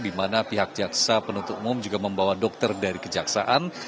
di mana pihak jaksa penuntut umum juga membawa dokter dari kejaksaan